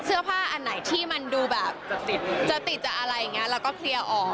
เสื้อผ้าอันไหนที่มันดูแบบจะติดจะอะไรอย่างนี้เราก็เคลียร์ออก